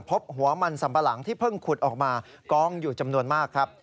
พบหัวมันสัมปะหลังที่เพิ่งขุดออกมากองอยู่จำนวนมากครับ